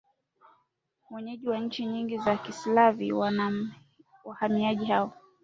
wenyeji wa nchi nyingine za Kislavi Wahamiaji hao